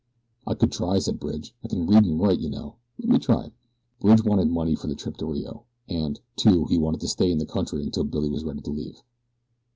"I could try," said Bridge. "I can read and write, you know. Let me try." Bridge wanted money for the trip to Rio, and, too, he wanted to stay in the country until Billy was ready to leave.